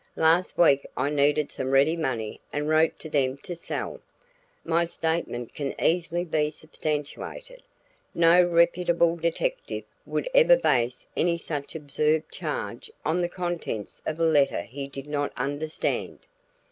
Last week I needed some ready money and wrote to them to sell. My statement can easily be substantiated; no reputable detective would ever base any such absurd charge on the contents of a letter he did not understand."